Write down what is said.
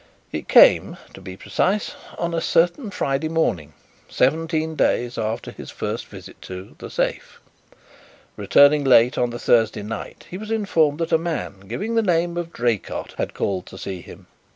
It came, to be precise, on a certain Friday morning, seventeen days after his first visit to "The Safe." Returning late on the Thursday night, he was informed that a man giving the name of Draycott had called to see him.